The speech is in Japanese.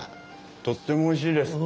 とってもおいしいです。